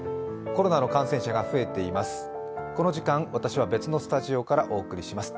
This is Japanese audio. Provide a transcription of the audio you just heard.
コロナの感染者が増えています。